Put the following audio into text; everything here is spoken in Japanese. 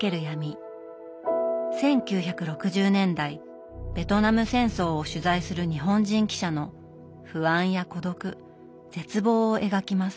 １９６０年代ベトナム戦争を取材する日本人記者の不安や孤独絶望を描きます。